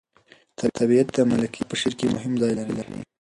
طبیعت د ملکیار په شعر کې مهم ځای لري.